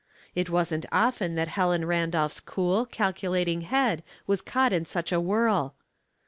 It wasn't often that Helen Randolph's cool, calculating head was caught in such a whirl.